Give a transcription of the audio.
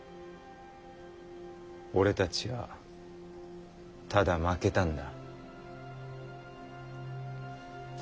俺たちはただ負けたんだ。